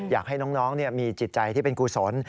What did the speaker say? อยากให้น้องมีจิตใจที่เป็นกุศล